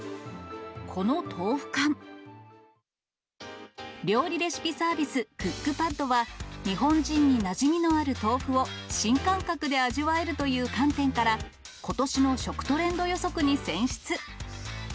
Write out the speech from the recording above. この豆腐干、料理レシピサービス、クックパッドは、日本人になじみのある豆腐を新感覚で味わえるという観点から、ことしの食トレンド予測に選出。